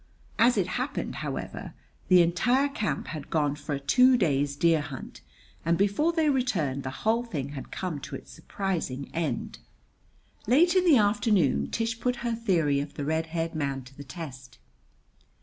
As it happened, however, the entire camp had gone for a two days' deer hunt, and before they returned the whole thing had come to its surprising end.] Late in the afternoon Tish put her theory of the red haired man to the test.